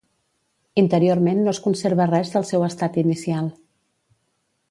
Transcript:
Interiorment no es conserva res del seu estat inicial.